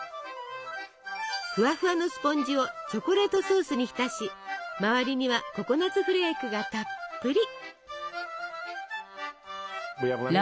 ふわふわのスポンジをチョコレートソースに浸し周りにはココナツフレークがたっぷり！